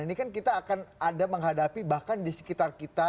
ini kan kita akan ada menghadapi bahkan di sekitar kita